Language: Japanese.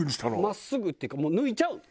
真っすぐっていうかもう抜いちゃうの。